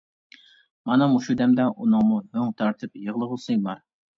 مانا، مۇشۇ دەمدە ئۇنىڭمۇ ھۆڭ تارتىپ يىغلىغۇسى بار.